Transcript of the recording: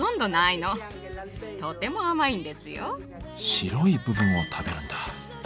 白い部分を食べるんだ。